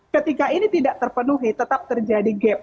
ketika ini tidak terpenuhi tetap terjadi gap